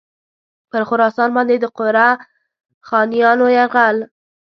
پر خراسان باندي د قره خانیانو یرغل.